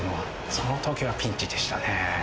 そのときはピンチでしたね。